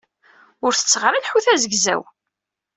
Ur tetteɣ ara lḥut azegzaw.